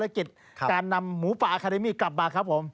กิจการนำหมูป่าอาคาเดมี่กลับมาครับผม